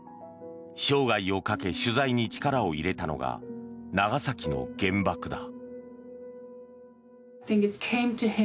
生涯をかけ取材に力を入れたのが長崎の原爆だ。